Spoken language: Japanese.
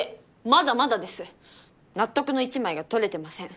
まだまだです納得の一枚が撮れてません